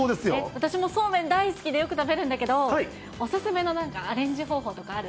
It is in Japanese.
私もそうめん大好きでよく食べるんだけど、お勧めのなんかアレンジ方法とかある？